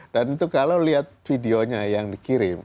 dan itu kalau lihat videonya yang dikirim